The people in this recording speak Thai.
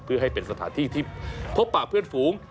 เพื่อให้เป็นสถานที่ที่พบป่าเพื่อนฝูง